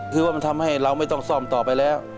คือว่ามันทำให้เราไม่ต้องซ่อมต่อไปแล้ว